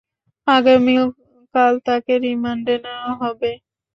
আগামীকাল তাকে রিমান্ডে নেওয়া হবে।